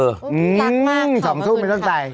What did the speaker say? รักมากขอบคุณค่ะ